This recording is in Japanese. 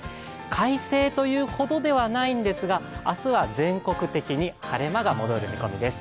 快晴というほどではないんですが、明日は全国的に晴れ間が戻る見込みです。